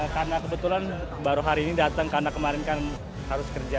karena kebetulan baru hari ini datang karena kemarin kan harus kerja